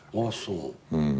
うん。